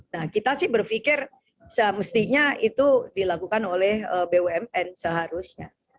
nah kita sih berpikir semestinya itu dilakukan oleh bumn seharusnya